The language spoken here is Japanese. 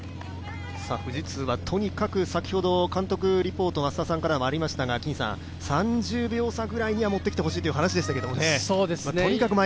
富士通はとにかく先ほど、監督リポートが増田さんからありましたが、３０秒差ぐらいには持ってきてほしいという話でしたけどね。